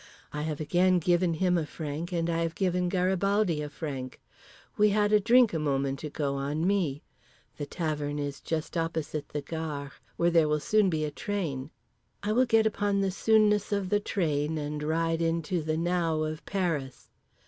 I have again given him a franc and I have given Garibaldi a franc. We had a drink a moment ago on me. The tavern is just opposite the gare, where there will soon be a train. I will get upon the soonness of the train and ride into the now of Paris.